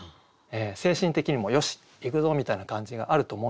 精神的にも「よしいくぞ！」みたいな感じがあると思うんですよね。